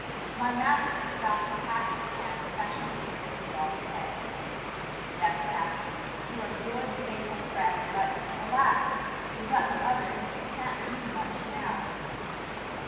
My master stopped to pass his hand affectionately over the dog's head. "Yes, Capi, you're a good, faithful friend, but, alas! without the others we can't do much now."